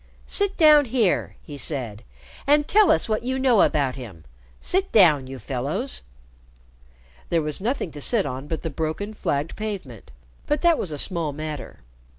"Sit down here," he said, "and tell us what you know about him. Sit down, you fellows." There was nothing to sit on but the broken flagged pavement, but that was a small matter.